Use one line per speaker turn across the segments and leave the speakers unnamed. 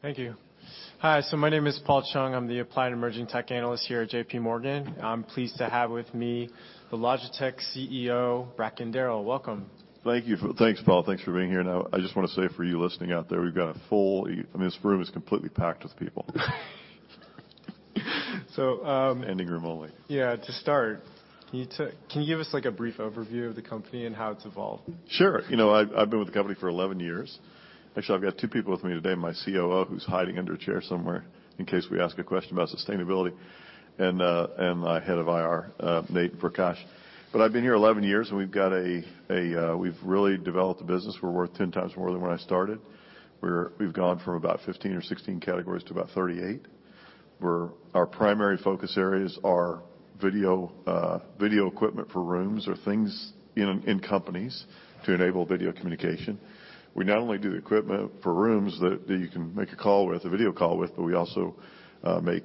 Thank you. Hi. My name is Paul Chung. I'm the applied emerging tech analyst here at JPMorgan. I'm pleased to have with me the Logitech CEO, Bracken Darrell. Welcome.
Thank you. Thanks, Paul. Thanks for being here. I just wanna say for you listening out there, we've got a full... I mean, this room is completely packed with people.
So, um-
Ending room only.
Yeah. To start, can you give us like a brief overview of the company and how it's evolved?
Sure. You know, I've been with the company for 11 years. Actually, I've got two people with me today, my COO, who's hiding under a chair somewhere in case we ask a question about sustainability, and my head of IR, Nate and Prakash. I've been here 11 years, and we've really developed the business. We're worth 10x more than when I started. We've gone from about 15 or 16 categories to about 38, where our primary focus areas are video equipment for rooms or things in companies to enable video communication. We not only do the equipment for rooms that you can make a call with, a video call with, but we also make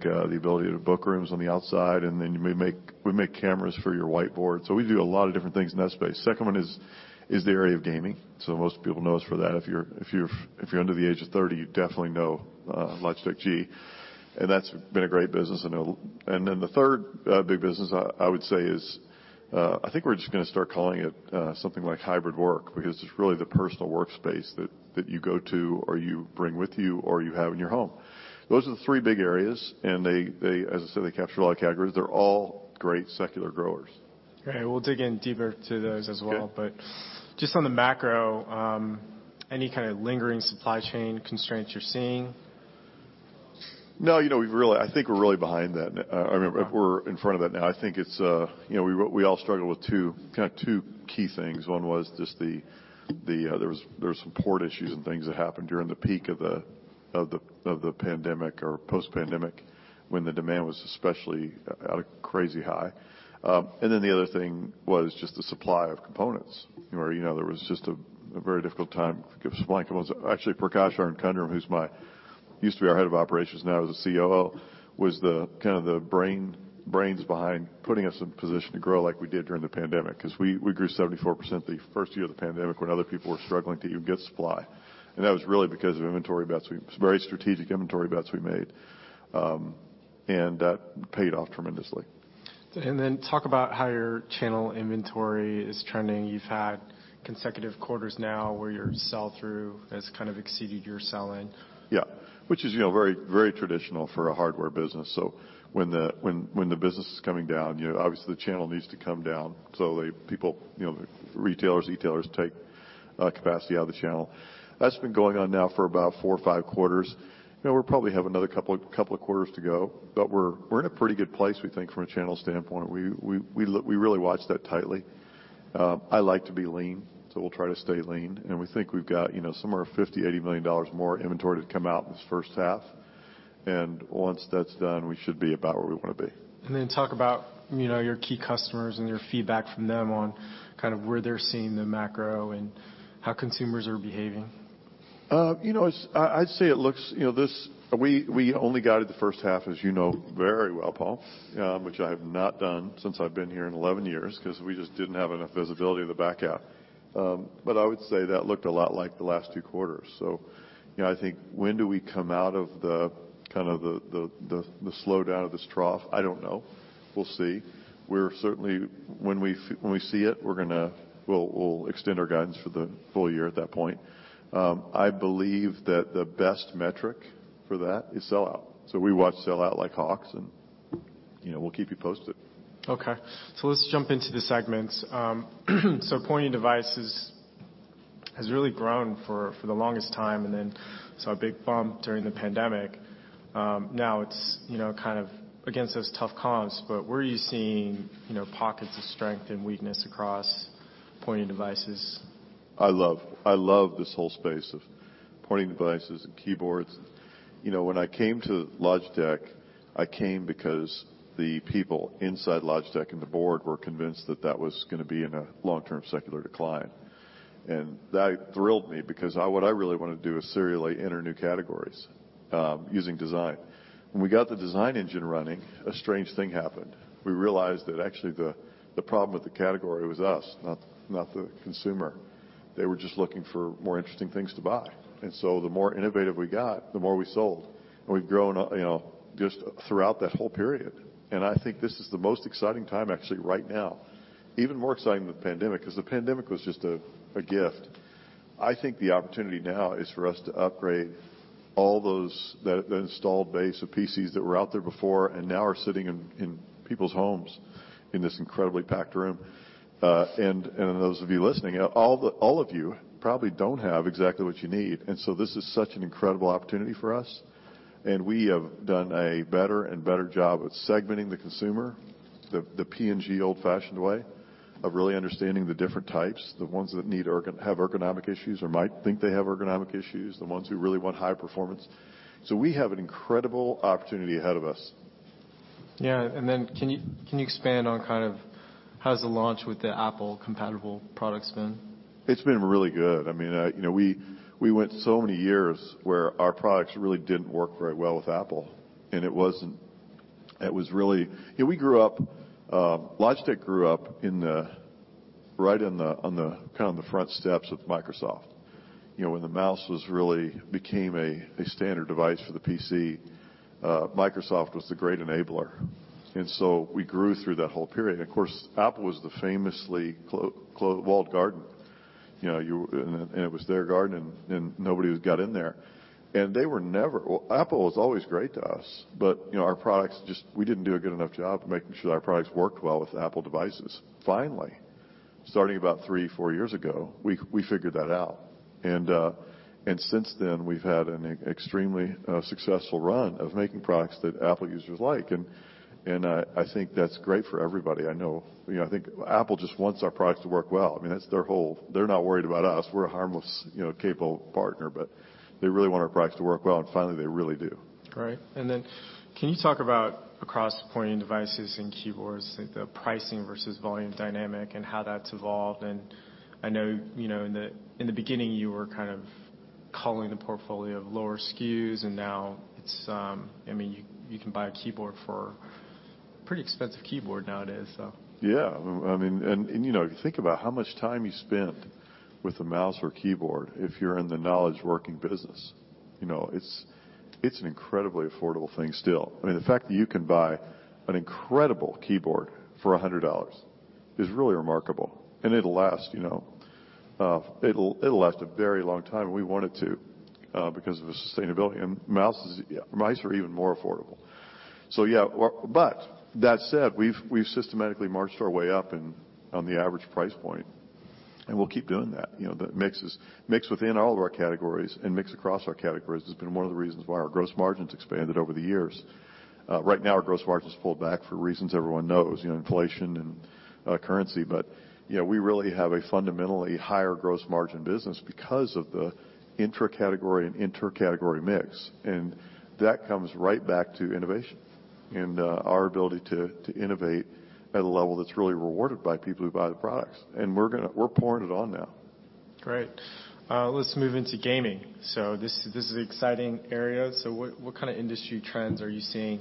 the ability to book rooms on the outside, and then we make cameras for your whiteboard. We do a lot of different things in that space. Second one is the area of gaming. Most people know us for that. If you're under the age of 30, you definitely know Logitech G. That's been a great business. The third big business I would say is I think we're just gonna start calling it something like hybrid work, because it's really the personal workspace that you go to, or you bring with you, or you have in your home. Those are the three big areas, and they, as I said, they capture a lot of categories. They're all great secular growers.
Great. We'll dig in deeper to those as well.
Okay.
Just on the macro, any kind of lingering supply chain constraints you're seeing?
No. You know, I think we're really behind that. I mean, we're in front of that now. I think it's, you know, we all struggle with two key things. One was just the, there was some port issues and things that happened during the peak of the pandemic or post-pandemic when the demand was especially at a crazy high. The other thing was just the supply of components where, you know, there was just a very difficult time to get supply. Actually, Prakash Arunkundrum, who used to be our head of operations, now is the COO, was kind of the brains behind putting us in a position to grow like we did during the pandemic, 'cause we grew 74% the first year of the pandemic when other people were struggling to even get supply. That was really because of some very strategic inventory bets we made. That paid off tremendously.
Talk about how your channel inventory is trending. You've had consecutive quarters now where your sell-through has kind of exceeded your sell-in.
Yeah. Which is, you know, very, very traditional for a hardware business. When the business is coming down, you know, obviously the channel needs to come down. They, people, you know, retailers, e-tailers take capacity out of the channel. That's been going on now for about four or five quarters. You know, we'll probably have another two quarters to go, but we really watch that tightly. I like to be lean, so we'll try to stay lean. We think we've got, you know, somewhere $50 million-$80 million more inventory to come out in this first half. Once that's done, we should be about where we wanna be.
Talk about, you know, your key customers and your feedback from them on kind of where they're seeing the macro and how consumers are behaving.
you know, I'd say it looks, you know, We only guided the first half, as you know very well, Paul, which I have not done since I've been here in 11 years, 'cause we just didn't have enough visibility to back out. I would say that looked a lot like the last two quarters. you know, I think when do we come out of the kind of the slowdown of this trough? I don't know. We'll see. When we see it, we'll extend our guidance for the full year at that point. I believe that the best metric for that is sell-out. We watch sell-out like hawks and, you know, we'll keep you posted.
Okay. Let's jump into the segments. Pointing Devices has really grown for the longest time and then saw a big bump during the pandemic. Now it's, you know, kind of against those tough comps, where are you seeing, you know, pockets of strength and weakness across Pointing Devices?
I love this whole space of pointing devices and keyboards. You know, when I came to Logitech, I came because the people inside Logitech and the board were convinced that that was gonna be in a long-term secular decline. That thrilled me because what I really wanna do is serially enter new categories using design. When we got the design engine running, a strange thing happened. We realized that actually the problem with the category was us, not the consumer. They were just looking for more interesting things to buy. The more innovative we got, the more we sold. We've grown, you know, just throughout that whole period. I think this is the most exciting time actually right now. Even more exciting than the pandemic, 'cause the pandemic was just a gift. I think the opportunity now is for us to upgrade all those, the installed base of PCs that were out there before and now are sitting in people's homes in this incredibly packed room. Those of you listening, all of you probably don't have exactly what you need. This is such an incredible opportunity for us, and we have done a better and better job at segmenting the consumer, the P&G old-fashioned way of really understanding the different types, the ones that need ergonomic issues or might think they have ergonomic issues, the ones who really want high performance. We have an incredible opportunity ahead of us.
Yeah. Can you expand on kind of how's the launch with the Apple-compatible products been?
It's been really good. I mean, you know, we went so many years where our products really didn't work very well with Apple, and it was really. You know, we grew up, Logitech grew up Right in the, on the, kind of the front steps of Microsoft. You know, when the mouse was really became a standard device for the PC, Microsoft was the great enabler. We grew through that whole period. Of course, Apple was the famously walled garden. You know, and it was their garden, and nobody would get in there. Well, Apple was always great to us, but, you know, our products We didn't do a good enough job making sure our products worked well with Apple devices. Starting about three, four years ago, we figured that out. Since then, we've had an extremely successful run of making products that Apple users like. I think that's great for everybody. I know, you know, I think Apple just wants our products to work well. I mean, that's their whole. They're not worried about us. We're a harmless, you know, capable partner, but they really want our products to work well, and finally they really do.
All right. Can you talk about across Pointing Devices and keyboards, like the pricing versus volume dynamic and how that's evolved? I know, you know, in the, in the beginning you were kind of culling the portfolio of lower SKUs, and now it's, I mean, you can buy a keyboard for pretty expensive keyboard nowadays.
I mean, and, you know, if you think about how much time you spend with a mouse or keyboard if you're in the knowledge working business. You know, it's an incredibly affordable thing still. I mean, the fact that you can buy an incredible keyboard for $100 is really remarkable, and it'll last, you know, it'll last a very long time, and we want it to, because of the sustainability. Mice are even more affordable. Yeah. That said, we've systematically marched our way up in, on the average price point, and we'll keep doing that. You know, mix within all of our categories and mix across our categories has been one of the reasons why our gross margin's expanded over the years. Right now our gross margin's pulled back for reasons everyone knows, you know, inflation and currency. You know, we really have a fundamentally higher gross margin business because of the intra-category and inter-category mix. That comes right back to innovation and our ability to innovate at a level that's really rewarded by people who buy the products. We're pouring it on now.
Great. Let's move into gaming. This is an exciting area. What kind of industry trends are you seeing?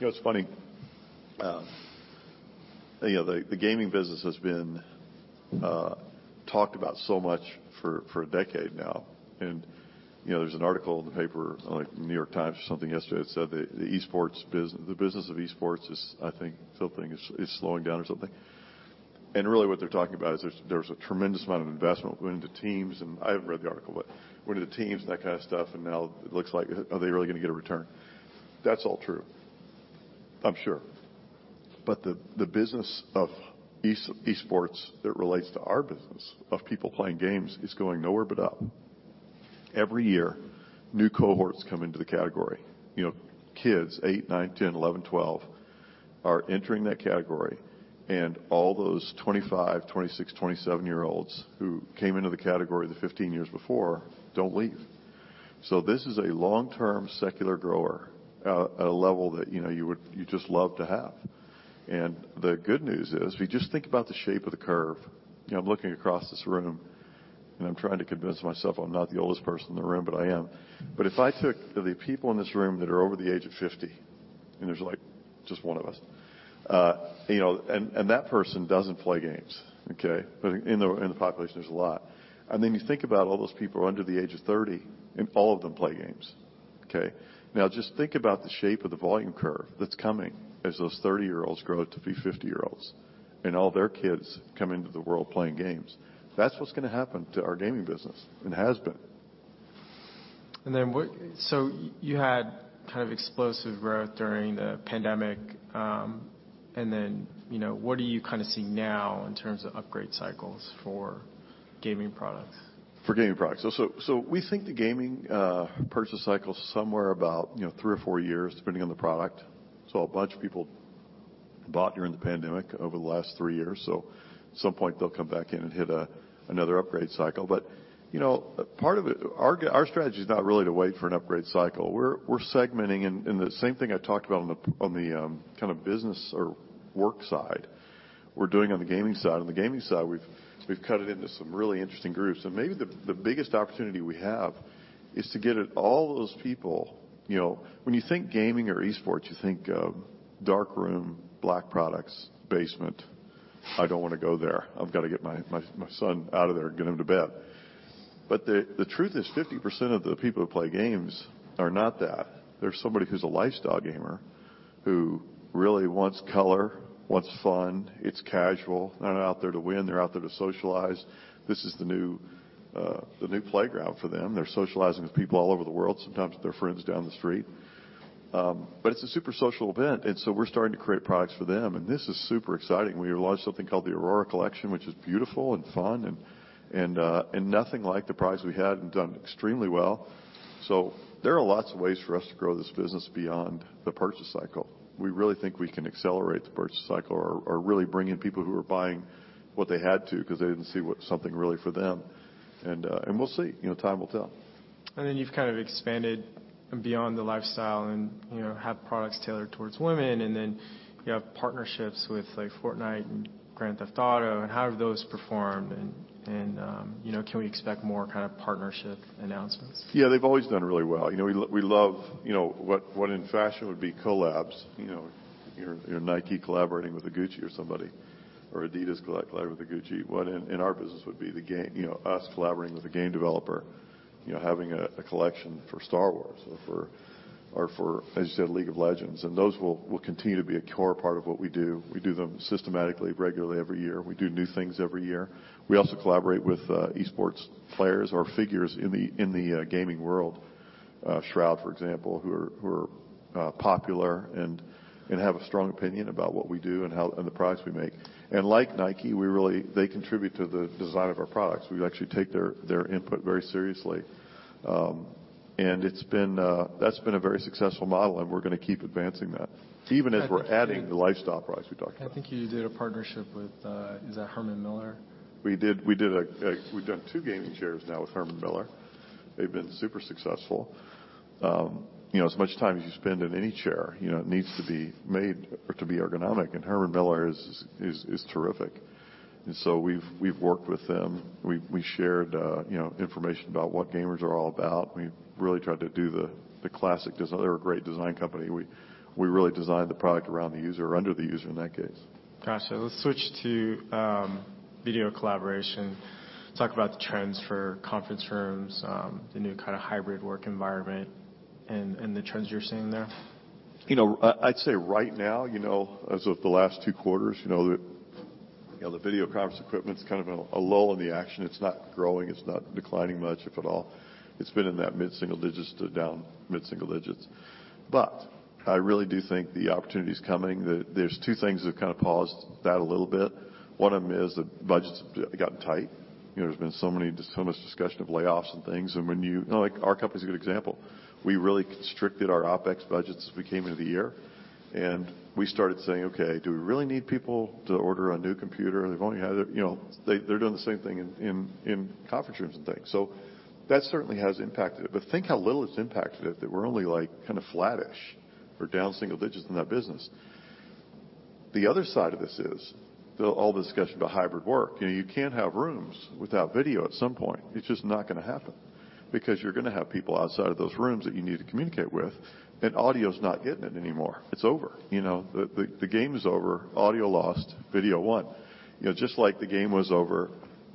You know, it's funny, you know, the gaming business has been talked about so much for a decade now. You know, there was an article in the paper, like New York Times or something yesterday that said that the business of esports is, I think, something is slowing down or something. Really what they're talking about is there's a tremendous amount of investment going into teams and... I haven't read the article, but went into teams and that kind of stuff, and now it looks like, are they really gonna get a return? That's all true, I'm sure. The business of esports that relates to our business of people playing games is going nowhere but up. Every year, new cohorts come into the category. You know, kids 8, 9, 10, 11, 12 are entering that category. All those 25, 26, 27-year-olds who came into the category the 15 years before don't leave. This is a long-term secular grower at a level that, you know, you just love to have. The good news is, if you just think about the shape of the curve, you know, I'm looking across this room, and I'm trying to convince myself I'm not the oldest person in the room, but I am. If I took the people in this room that are over the age of 50, and there's like just one of us, you know, and that person doesn't play games, okay? In the population, there's a lot. You think about all those people under the age of 30, and all of them play games, okay. Now just think about the shape of the volume curve that's coming as those 30-year-olds grow to be 50-year-olds, and all their kids come into the world playing games. That's what's gonna happen to our gaming business and has been.
You had kind of explosive growth during the pandemic, you know, what do you kinda see now in terms of upgrade cycles for gaming products?
For gaming products. We think the gaming purchase cycle's somewhere about, you know, three or four years, depending on the product. A bunch of people bought during the pandemic over the last three years, so at some point they'll come back in and hit another upgrade cycle. You know, part of it, our strategy is not really to wait for an upgrade cycle. We're segmenting, and the same thing I talked about on the kind of business or work side, we're doing on the gaming side. On the gaming side, we've cut it into some really interesting groups. Maybe the biggest opportunity we have is to get at all those people, you know, when you think gaming or esports, you think of dark room, black products, basement. I don't wanna go there. I've gotta get my son out of there and get him to bed. The truth is, 50% of the people who play games are not that. They're somebody who's a lifestyle gamer, who really wants color, wants fun, it's casual. They're not out there to win. They're out there to socialize. This is the new playground for them. They're socializing with people all over the world, sometimes with their friends down the street. It's a super social event, and so we're starting to create products for them, and this is super exciting. We launched something called the Aurora Collection, which is beautiful and fun and nothing like the products we had, and done extremely well. There are lots of ways for us to grow this business beyond the purchase cycle. We really think we can accelerate the purchase cycle or really bring in people who are buying what they had to because they didn't see what something really for them. We'll see. You know, time will tell.
You've kind of expanded beyond the lifestyle and, you know, have products tailored towards women, and then you have partnerships with like Fortnite and Grand Theft Auto, and how have those performed? You know, can we expect more kind of partnership announcements?
Yeah, they've always done really well. You know, we love, you know, what in fashion would be collabs, you know, your Nike collaborating with a Gucci or somebody. Or Adidas collaborated with Gucci. What in our business would be the game, you know, us collaborating with a game developer, you know, having a collection for Star Wars or for, or for, as you said, League of Legends. Those will continue to be a core part of what we do. We do them systematically, regularly every year. We do new things every year. We also collaborate with esports players or figures in the gaming world, Shroud, for example, who are popular and have a strong opinion about what we do and how and the products we make. Like Nike, they contribute to the design of our products. We actually take their input very seriously. It's been a very successful model, and we're gonna keep advancing that even as we're adding the lifestyle products we talked about.
I think you did a partnership with, is that Herman Miller?
We've done two gaming chairs now with Herman Miller. They've been super successful. You know, as much time as you spend in any chair, you know, it needs to be made or to be ergonomic, and Herman Miller is terrific. We've worked with them. We shared, you know, information about what gamers are all about. We really tried to do the classic. They're a great design company. We really designed the product around the user or under the user in that case.
Gotcha. Let's switch to video collaboration. Talk about the trends for conference rooms, the new kind of hybrid work environment and the trends you're seeing there.
You know, I'd say right now, you know, as of the last two quarters, you know, the video conference equipment's kind of in a lull in the action. It's not growing. It's not declining much, if at all. It's been in that mid-single digits to down mid-single digits. I really do think the opportunity's coming. There's two things that kind of paused that a little bit. One of them is the budgets have gotten tight. You know, there's been so much discussion of layoffs and things. You know, like, our company's a good example. We really constricted our OpEx budgets as we came into the year, and we started saying, "Okay, do we really need people to order a new computer? They've only had it," you know. They're doing the same thing in conference rooms and things. That certainly has impacted it. Think how little it's impacted it, that we're only, like, kind of flattish or down single digits in that business. The other side of this is all the discussion about hybrid work. You know, you can't have rooms without video at some point. It's just not gonna happen because you're gonna have people outside of those rooms that you need to communicate with, and audio's not getting it anymore. It's over, you know? The game is over. Audio lost, video won. You know, just like the game was over,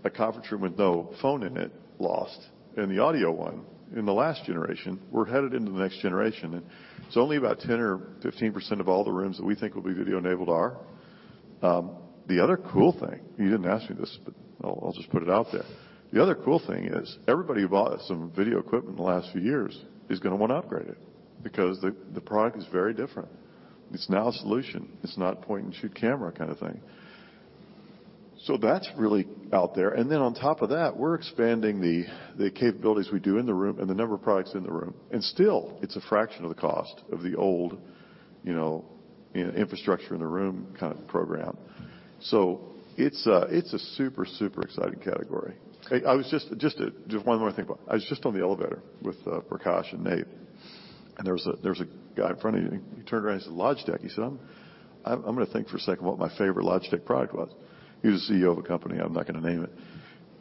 a conference room with no phone in it lost, and the audio won in the last generation. We're headed into the next generation, and it's only about 10% or 15% of all the rooms that we think will be video-enabled are. The other cool thing, you didn't ask me this, but I'll just put it out there. The other cool thing is everybody who bought some video equipment in the last few years is gonna wanna upgrade it because the product is very different. It's now a solution. It's not point-and-shoot camera kind of thing. That's really out there. Then on top of that, we're expanding the capabilities we do in the room and the number of products in the room. Still, it's a fraction of the cost of the old, you know, in-infrastructure in the room kind of program. It's a, it's a super exciting category. Just one more thing. I was just on the elevator with Prakash and Nate, and there was a guy in front of me, and he turned around, he said, "Logitech." He said, "I'm gonna think for a second what my favorite Logitech product was." He was the CEO of a company. I'm not gonna name it.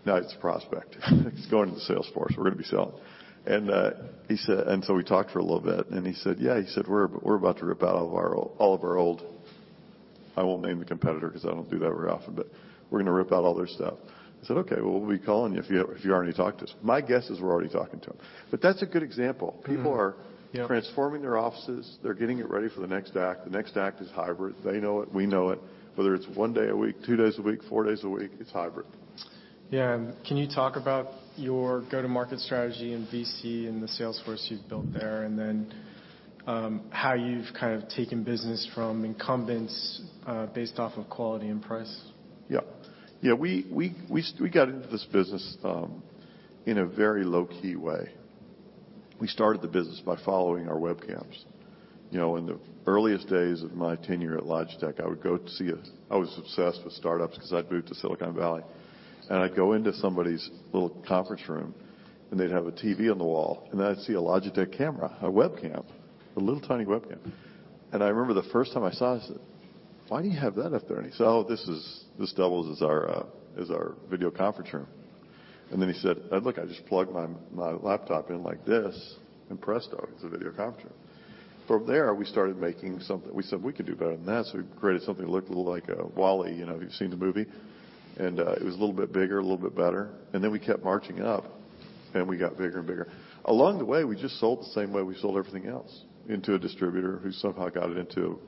Now it's a prospect. It's going to the Salesforce. We're gonna be selling. He said... We talked for a little bit, and he said, "Yeah." He said, "We're about to rip out all of our old..." I won't name the competitor 'cause I don't do that very often. We're gonna rip out all their stuff. I said, "Okay. Well, we'll be calling you if you, if you already talked to us." My guess is we're already talking to him. That's a good example.
Mm-hmm. Yeah.
People are transforming their offices. They're getting it ready for the next act. The next act is hybrid. They know it. We know it. Whether it's one day a week, two days a week, four days a week, it's hybrid.
Yeah. Can you talk about your go-to-market strategy in VC and the Salesforce you've built there, and then, how you've kind of taken business from incumbents, based off of quality and price?
Yeah. Yeah. We got into this business in a very low-key way. We started the business by following our webcams. You know, in the earliest days of my tenure at Logitech, I would go to see a... I was obsessed with startups 'cause I'd moved to Silicon Valley. I'd go into somebody's little conference room, and they'd have a TV on the wall, and I'd see a Logitech camera, a webcam, a little tiny webcam. I remember the first time I saw it, I said, "Why do you have that up there?" He said, "Oh, this doubles as our as our video conference room." He said, "And look, I just plug my laptop in like this, and presto, it's a video conference room." From there, we started making something. We said, "We can do better than that." We created something that looked a little like WALL-E, you know, if you've seen the movie. It was a little bit bigger, a little bit better. We kept marching up, and we got bigger and bigger. Along the way, we just sold the same way we sold everything else, into a distributor who somehow got it into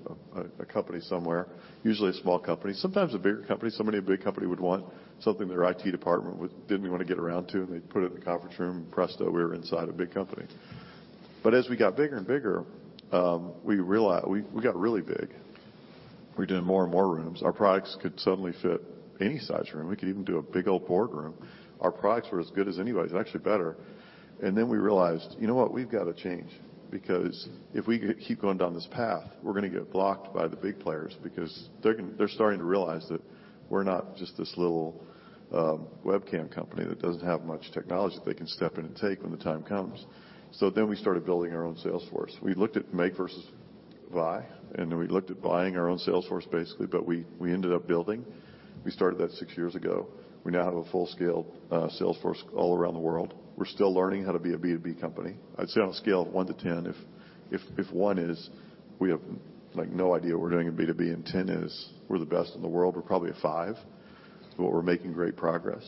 a company somewhere, usually a small company, sometimes a bigger company. Somebody in a big company would want something their IT department didn't want to get around to, and they'd put it in the conference room. Presto, we were inside a big company. As we got bigger and bigger, we got really big. We did more and more rooms. Our products could suddenly fit any size room. We could even do a big old board room. Our products were as good as anybody's, actually better. We realized, you know what? We've got to change, because if we keep going down this path, we're gonna get blocked by the big players because they're starting to realize that we're not just this little webcam company that doesn't have much technology that they can step in and take when the time comes. We started building our own sales force. We looked at make versus buy, and then we looked at buying our own sales force, basically, but we ended up building. We started that 6 years ago. We now have a full-scale sales force all around the world. We're still learning how to be a B2B company. I'd say on a scale of 1 to 10, if 1 is we have, like, no idea what we're doing in B2B, and 10 is we're the best in the world, we're probably a five, but we're making great progress.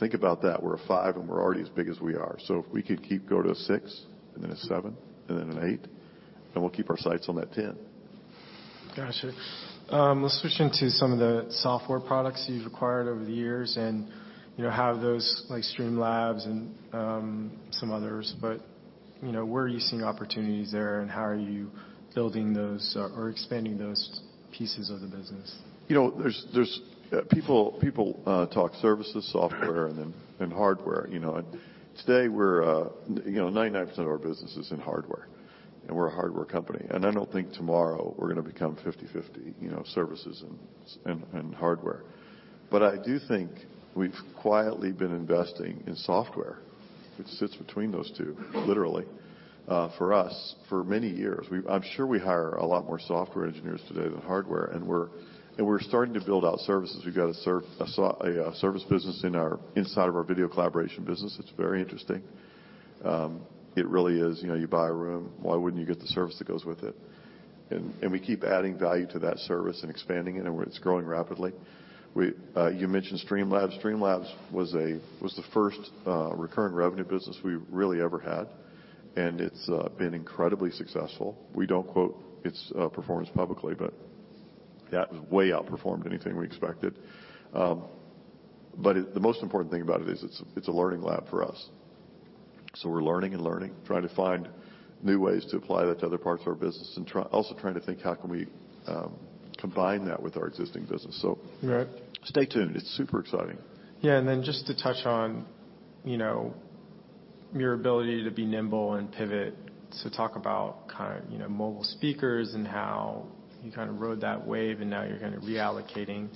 Think about that. We're a five, and we're already as big as we are. If we could keep going to a six and then a seven and then an eight, then we'll keep our sights on that 10.
Gotcha. Let's switch into some of the software products you've acquired over the years and, you know, have those, like Streamlabs and some others. You know, where are you seeing opportunities there, and how are you building those or expanding those pieces of the business?
You know, there's People talk services, software, and then, and hardware, you know. Today, we're, you know, 99% of our business is in hardware, and we're a hardware company. I don't think tomorrow we're gonna become 50/50, you know, services and hardware. I do think we've quietly been investing in software, which sits between those two, literally, for us for many years. I'm sure we hire a lot more software engineers today than hardware, and we're starting to build out services. We've got a service business inside of our video collaboration business. It's very interesting. It really is. You know, you buy a room, why wouldn't you get the service that goes with it? We keep adding value to that service and expanding it, and it's growing rapidly. We, you mentioned Streamlabs. Streamlabs was the first recurring revenue business we really ever had, and it's been incredibly successful. We don't quote its performance publicly, but that way outperformed anything we expected. The most important thing about it is it's a learning lab for us. We're learning and learning, trying to find new ways to apply that to other parts of our business and also trying to think how can we combine that with our existing business.
Right.
Stay tuned. It's super exciting.
Yeah, then just to touch on, you know, your ability to be nimble and pivot to talk about kind of, you know, mobile speakers and how you kind of rode that wave and now you're kind of reallocating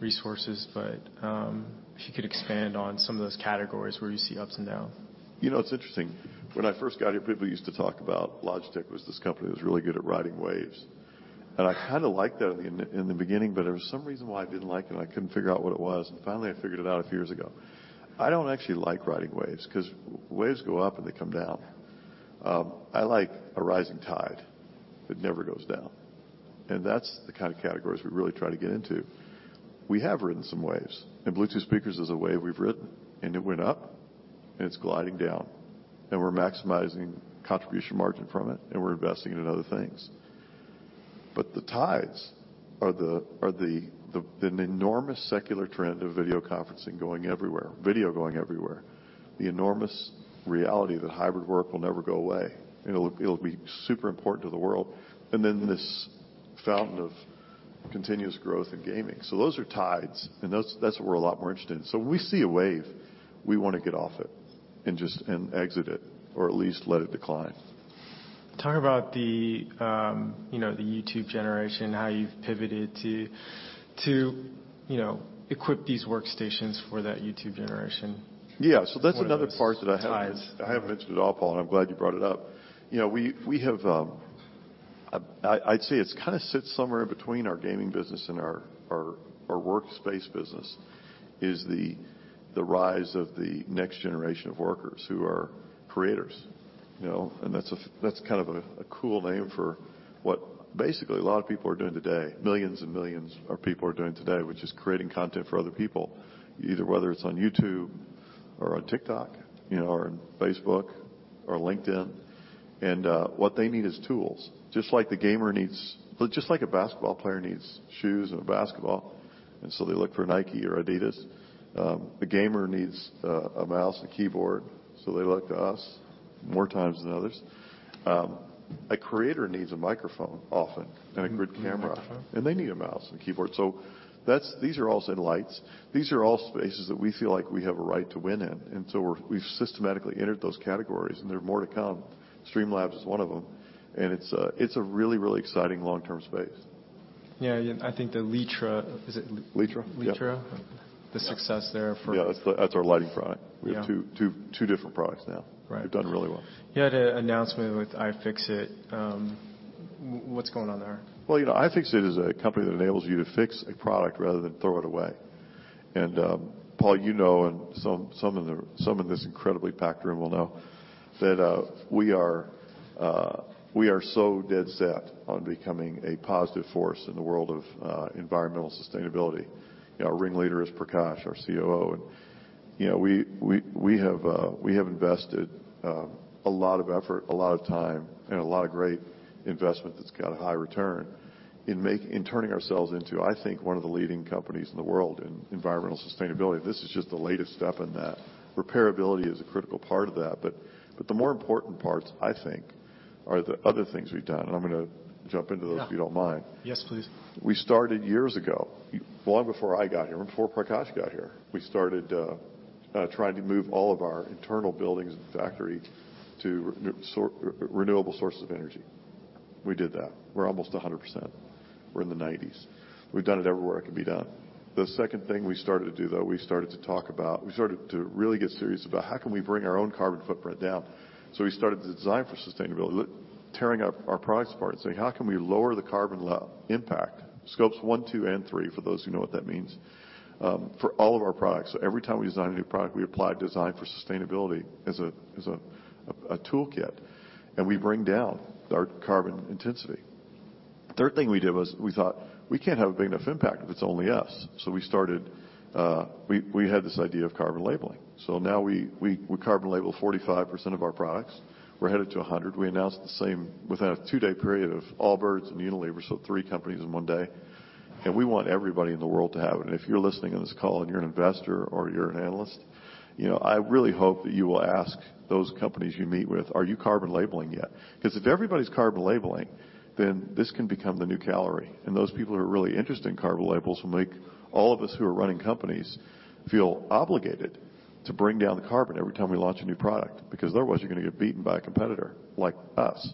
resources, if you could expand on some of those categories where you see ups and downs.
You know, it's interesting. When I first got here, people used to talk about Logitech was this company that was really good at riding waves. I kinda liked that in the beginning, but there was some reason why I didn't like it, and I couldn't figure out what it was. Finally, I figured it out a few years ago. I don't actually like riding waves because waves go up, and they come down. I like a rising tide that never goes down, and that's the kind of categories we really try to get into. We have ridden some waves, and Bluetooth speakers is a wave we've ridden, and it went up, and it's gliding down, and we're maximizing contribution margin from it, and we're investing it in other things. The tides are an enormous secular trend of video conferencing going everywhere, video going everywhere. The enormous reality that hybrid work will never go away, and it'll be super important to the world. This fountain of continuous growth in gaming. Those are tides, that's what we're a lot more interested in. When we see a wave, we wanna get off it and just exit it or at least let it decline.
Talk about the, you know, the YouTube generation, how you've pivoted to, you know, equip these workstations for that YouTube generation.
Yeah. That's another part that I haven't.
One of those tides.
I haven't mentioned at all, Paul. I'm glad you brought it up. You know, we have, I'd say it kind of sits somewhere between our gaming business and our workspace business is the rise of the next generation of workers who are creators, you know. That's kind of a cool name for what basically a lot of people are doing today, millions and millions of people are doing today, which is creating content for other people, either whether it's on YouTube or on TikTok, you know, or on Facebook or LinkedIn. What they need is tools. Just like a basketball player needs shoes and a basketball, they look for Nike or Adidas. A gamer needs a mouse, a keyboard, they look to us more times than others. A creator needs a microphone often and a good camera.
Microphone.
They need a mouse and keyboard. These are also in lights. These are all spaces that we feel like we have a right to win in, and so we've systematically entered those categories, and there are more to come. Streamlabs is one of them, and it's a really, really exciting long-term space.
Yeah, yeah. I think the Litra... Is it?
Litra.
Litra?
Yeah.
The success there.
Yeah. That's our lighting product.
Yeah.
We have two different products now.
Right.
They've done really well.
You had an announcement with iFixit. What's going on there?
Well, you know, iFixit is a company that enables you to fix a product rather than throw it away. Paul, you know, and some in this incredibly packed room will know that we are so dead set on becoming a positive force in the world of environmental sustainability. You know, our ringleader is Prakash, our COO. You know, we have invested a lot of effort, a lot of time, and a lot of great investment that's got a high return in turning ourselves into, I think, one of the leading companies in the world in environmental sustainability. This is just the latest step in that. Repairability is a critical part of that. The more important parts, I think, are the other things we've done, and I'm gonna jump into those.
Yeah.
if you don't mind.
Yes, please.
We started years ago, long before I got here and before Prakash got here, we started trying to move all of our internal buildings and factory to renewable sources of energy. We did that. We're almost 100%. We're in the 90s. We've done it everywhere it can be done. The second thing we started to do, though, we started to really get serious about how can we bring our own carbon footprint down. We started to Design for Sustainability. Tearing up our products apart and saying, "How can we lower the carbon impact?" Scope 1, 2, and 3, for those who know what that means, for all of our products. Every time we design a new product, we apply Design for Sustainability as a toolkit, and we bring down our carbon intensity. Third thing we did was we thought, we can't have a big enough impact if it's only us. We started, we had this idea of carbon labeling. Now we carbon label 45% of our products. We're headed to 100. We announced the same within a 2-day period of Allbirds and Unilever, so three companies in one day. We want everybody in the world to have it. If you're listening on this call, and you're an investor or you're an analyst, you know, I really hope that you will ask those companies you meet with, "Are you carbon labeling yet?" If everybody's carbon labeling, then this can become the new calorie. Those people who are really interested in carbon labels will make all of us who are running companies feel obligated to bring down the carbon every time we launch a new product, because otherwise you're gonna get beaten by a competitor like us.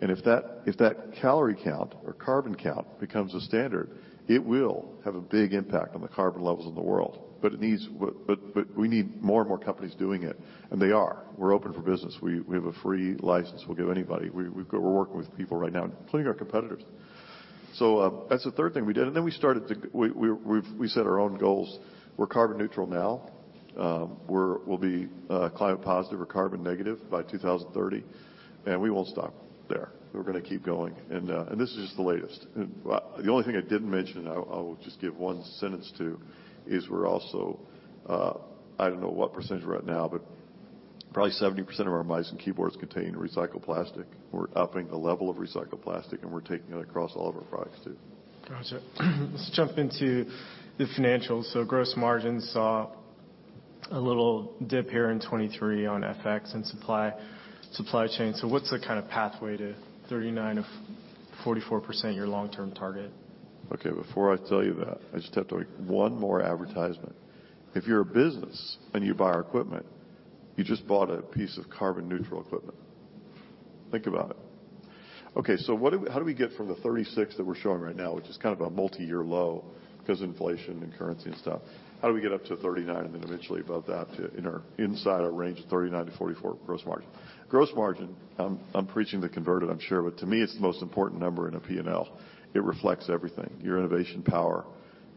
If that, if that calorie count or carbon count becomes a standard, it will have a big impact on the carbon levels in the world. We need more and more companies doing it, and they are. We're open for business. We have a free license we'll give anybody. We're working with people right now, including our competitors. That's the third thing we did. We set our own goals. We're carbon neutral now. We'll be climate positive or carbon negative by 2030, and we won't stop there. We're gonna keep going. This is just the latest. The only thing I didn't mention, I will just give one sentence to, is we're also, I don't know what percentage we're at now, but probably 70% of our mice and keyboards contain recycled plastic. We're upping the level of recycled plastic, and we're taking it across all of our products too.
Gotcha. Let's jump into the financials. Gross margins saw a little dip here in 2023 on FX and supply chain. What's the kind of pathway to 39% of 44%, your long-term target?
Okay, before I tell you that, I just have to make one more advertisement. If you're a business and you buy our equipment, you just bought a piece of carbon neutral equipment. Think about it. Okay, how do we get from the 36 that we're showing right now, which is kind of a multi-year low 'cause of inflation and currency and stuff, how do we get up to 39% and then eventually above that to inside our range of 39%-44% gross margin? Gross margin, I'm preaching to the converted, I'm sure, but to me, it's the most important number in a P&L. It reflects everything, your innovation power,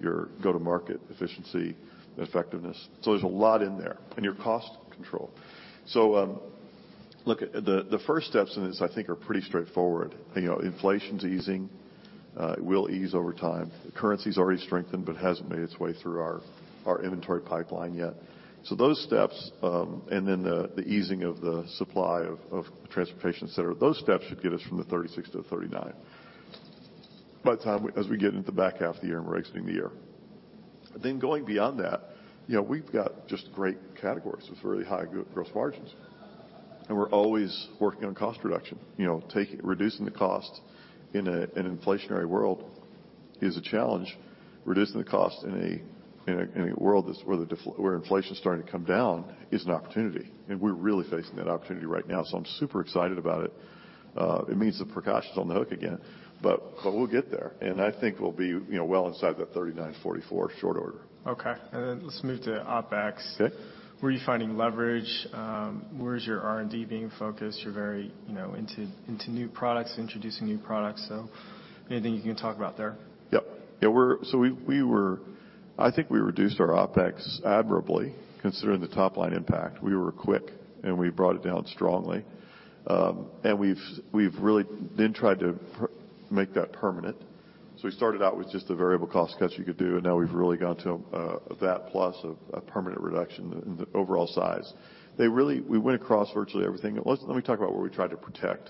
your go-to-market efficiency, effectiveness. There's a lot in there. Your cost control. Look, the first steps in this I think are pretty straightforward. You know, inflation's easing. It will ease over time. The currency's already strengthened but hasn't made its way through our inventory pipeline yet. Those steps, and then the easing of the supply of transportation, et cetera, those steps should get us from 36% to 39% by the time as we get into the back half of the year and we're exiting the year. Going beyond that, you know, we've got just great categories with really high gross margins, and we're always working on cost reduction. You know, reducing the cost in an inflationary world is a challenge. Reducing the cost in a world that's where inflation's starting to come down is an opportunity, and we're really facing that opportunity right now. I'm super excited about it. It means that Prakash is on the hook again, but we'll get there, and I think we'll be, you know, well inside that 39%-44% short order.
Okay. Then let's move to OpEx.
Okay.
Where are you finding leverage? Where is your R&D being focused? You're very, you know, into new products, introducing new products. Anything you can talk about there?
Yep. Yeah, we were I think we reduced our OpEx admirably, considering the top-line impact. We were quick, we brought it down strongly. We've really then tried to make that permanent. We started out with just the variable cost cuts you could do, and now we've really gone to that plus a permanent reduction in the overall size. We went across virtually everything. Let me talk about what we tried to protect.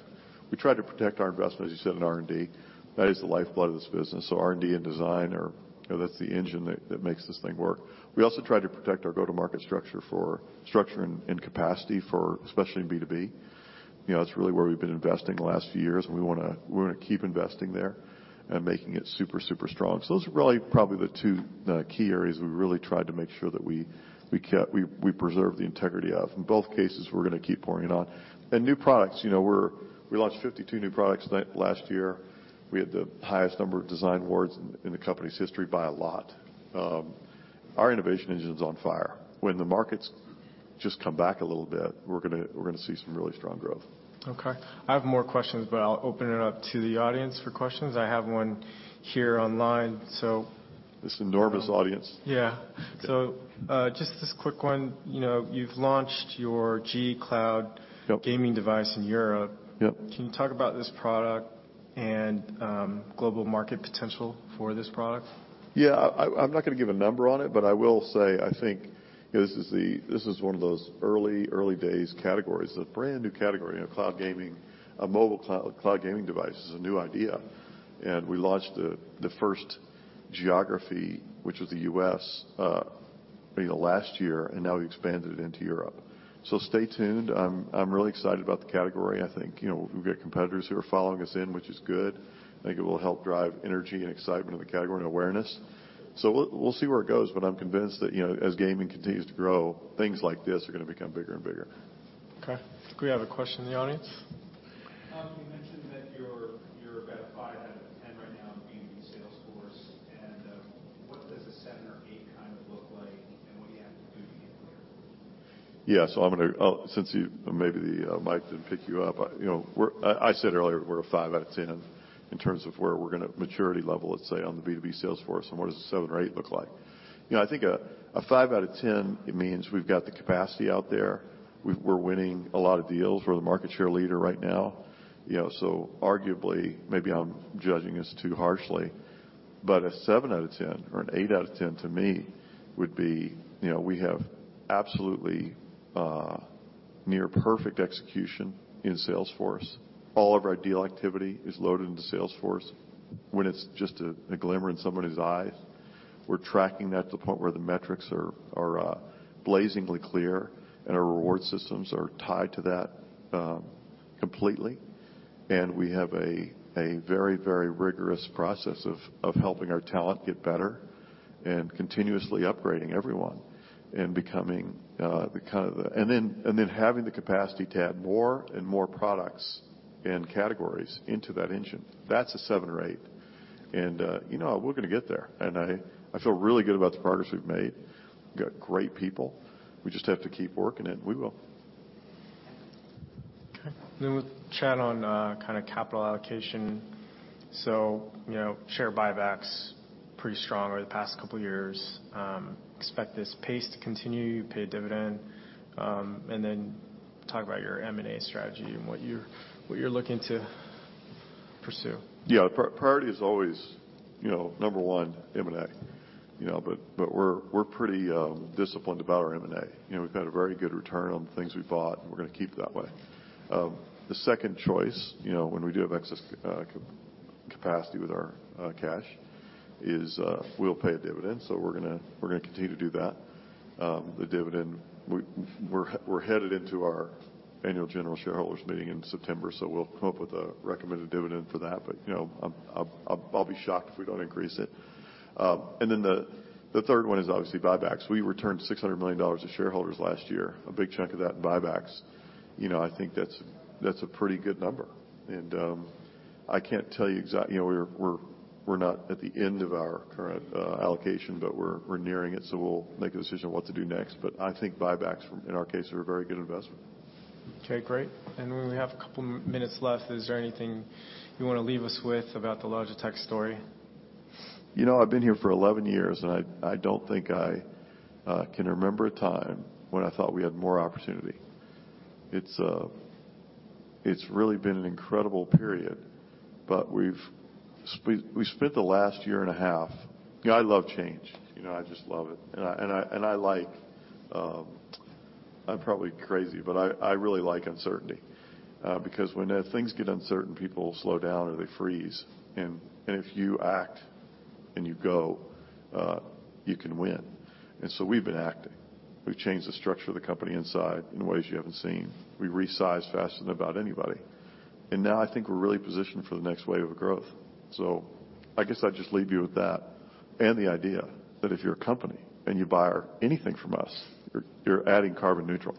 We tried to protect our investment, as you said, in R&D. That is the lifeblood of this business. R&D and design are. You know, that's the engine that makes this thing work. We also tried to protect our go-to-market structure and capacity for especially in B2B. You know, that's really where we've been investing the last few years, and we wanna keep investing there and making it super strong. Those are really probably the two key areas we really tried to make sure that we kept, we preserve the integrity of. In both cases, we're gonna keep pouring it on. New products, you know, we launched 52 new products last year. We had the highest number of design awards in the company's history by a lot. Our innovation engine's on fire. When the markets just come back a little bit, we're gonna see some really strong growth.
Okay. I have more questions, but I'll open it up to the audience for questions. I have one here online, so.
This enormous audience.
Yeah.
Okay.
just this quick one. You know, you've launched your G CLOUD-
Yep.
-gaming device in Europe.
Yep.
Can you talk about this product and global market potential for this product?
Yeah. I'm not gonna give a number on it, but I will say, I think, you know, this is one of those early days categories, a brand-new category. You know, cloud gaming, a mobile cloud gaming device is a new idea. We launched the first geography, which was the U.S., you know, last year, and now we expanded it into Europe. Stay tuned. I'm really excited about the category. I think, you know, we've got competitors who are following us in, which is good. I think it will help drive energy and excitement in the category and awareness. We'll see where it goes, but I'm convinced that, you know, as gaming continues to grow, things like this are gonna become bigger and bigger.
Okay. Do we have a question in the audience?
You mentioned that you're about five out of 10 right now in B2B sales force. What does a seven or eight kind of look like, and what do you have to do to get there?
I'm gonna Maybe the mic didn't pick you up. You know, I said earlier, we're a five out of 10 in terms of where we're gonna maturity level, let's say, on the B2B sales force. What does a seven or eight look like? You know, I think a five out of 10, it means we've got the capacity out there. We're winning a lot of deals. We're the market share leader right now. You know, arguably, maybe I'm judging us too harshly. A seven out of 10 or an 8 out of 10 to me would be, you know, we have absolutely near perfect execution in Salesforce. All of our deal activity is loaded into Salesforce. When it's just a glimmer in somebody's eyes, we're tracking that to the point where the metrics are blazingly clear, and our reward systems are tied to that, completely. We have a very rigorous process of helping our talent get better and continuously upgrading everyone and becoming. Then having the capacity to add more and more products and categories into that engine. That's a seven or eight. You know, we're gonna get there, and I feel really good about the progress we've made. We've got great people. We just have to keep working it, and we will.
Okay. We'll chat on, kinda capital allocation. You know, share buybacks pretty strong over the past couple years. Expect this pace to continue. You pay a dividend. Talk about your M&A strategy and what you're looking to pursue.
Yeah. Priority is always, you know, number 1, M&A. You know. We're pretty disciplined about our M&A. You know, we've had a very good return on the things we've bought, and we're gonna keep it that way. The second choice, you know, when we do have excess capacity with our cash, is we'll pay a dividend. We're gonna continue to do that. The dividend, we're headed into our annual general shareholders meeting in September, we'll come up with a recommended dividend for that. You know, I'll be shocked if we don't increase it. The third one is obviously buybacks. We returned $600 million to shareholders last year, a big chunk of that in buybacks. You know, I think that's a pretty good number. I can't tell you know, we're not at the end of our current allocation, but we're nearing it, so we'll make a decision on what to do next. I think buybacks, in our case, are a very good investment.
Okay, great. We only have a couple minutes left. Is there anything you wanna leave us with about the Logitech story?
You know, I've been here for 11 years, I don't think I can remember a time when I thought we had more opportunity. It's really been an incredible period, but we've spent the last year and a half. You know, I love change. You know, I just love it. And I, and I, and I like, I'm probably crazy, but I really like uncertainty. Because when things get uncertain, people slow down and they freeze. And if you act and you go, you can win. We've been acting. We've changed the structure of the company inside in ways you haven't seen. We resized faster than about anybody. Now I think we're really positioned for the next wave of growth. I guess I'd just leave you with that and the idea that if you're a company and you buy our anything from us, you're adding carbon neutral.